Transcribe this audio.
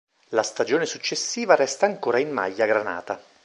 La stagione successiva resta ancora in maglia granata.